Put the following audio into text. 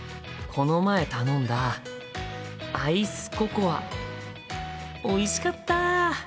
この前頼んだアイスココアおいしかった。